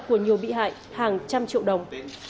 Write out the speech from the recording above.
của nhiều bị hại hàng trăm triệu đồng